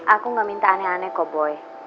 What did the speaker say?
aku gak minta aneh aneh kok boy